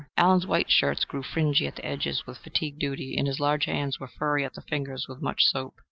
Allen's white shirts grew fringy at the edges with fatigue duty, and his large hands were furry at the fingers with much soap.